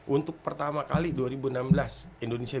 untuk pertama kali dua ribu enam belas indonesia